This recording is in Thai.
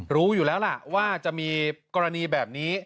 รู้อยู่แล้วล่ะว่าจะมีกรณีแบบนี้